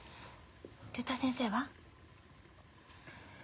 竜太先生は？